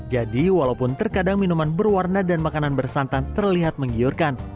jadi walaupun terkadang minuman berwarna dan makanan bersantan terlihat menggiurkan